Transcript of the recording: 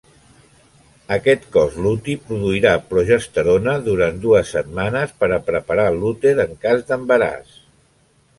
Aquest cos luti produirà progesterona durant dues setmanes per a preparar l'úter en cas d'embaràs.